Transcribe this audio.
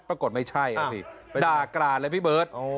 ปรากฏไม่ใช่อ่ะสิด่ากราดเลยพี่เบิร์ต